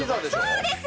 そうです！